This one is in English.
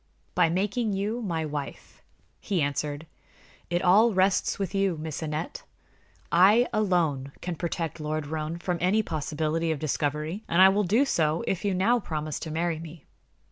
"By making you my wife," he answered. "It all rests with you, Miss Aneth. I alone can protect Lord Roane from any possibility of discovery, and I will do so if you now promise to marry me.